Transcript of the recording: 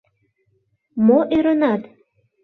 Мо ӧрынат?